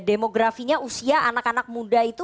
demografinya usia anak anak muda itu